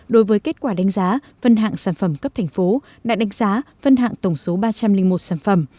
đối với kết quả đánh giá phân hạng sản phẩm cấp thành phố đã đánh giá phân hạng tổng số ba trăm linh một sản phẩm